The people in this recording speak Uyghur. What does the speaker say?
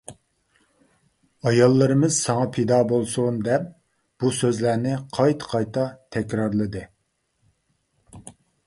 ئاياللىرىمىز ساڭا پىدا بولسۇن دەپ، بۇ سۆزلەرنى قايتا-قايتا تەكرارلىدى.